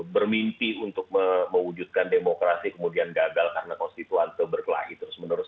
bermimpi untuk mewujudkan demokrasi kemudian gagal karena konstituan itu berkelahi terus menerus